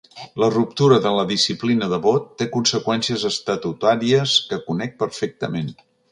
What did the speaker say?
La ruptura de la disciplina de vot té conseqüències estatutàries que conec perfectament.